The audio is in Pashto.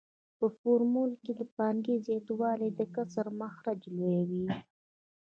په فورمول کې د پانګې زیاتوالی د کسر مخرج لویوي